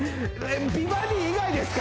美バディ以外です！